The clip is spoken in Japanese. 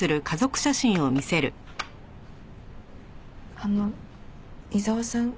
あの伊沢さん